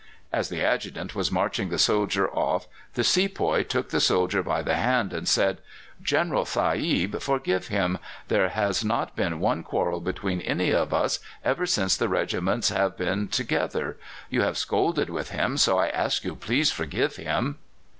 "As the Adjutant was marching the soldier off the sepoy took the soldier by the hand and said: 'General Sahib, forgive him. There has not been one quarrel between any of us ever since the regiments have been together. You have scolded with him, so I ask you please forgive him.